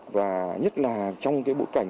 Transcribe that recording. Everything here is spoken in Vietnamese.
và nhất là trong cái bộ cảnh